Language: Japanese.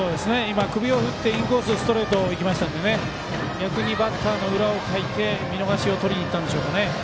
首を振って、インコースストレートにいったので逆にバッターの裏をかいて見逃しをとりにいったんでしょうか。